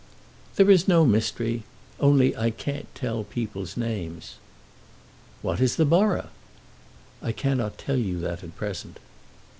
"There is no mystery; only I can't tell people's names." "What is the borough?" "I cannot tell you that at present."